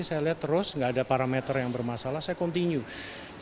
saya terus tidak ada parameter yang bermasalah saya continue